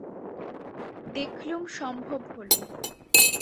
দেখলুম সম্ভব হল।